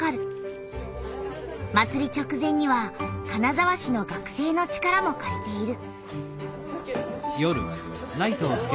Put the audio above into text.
祭り直前には金沢市の学生の力もかりている。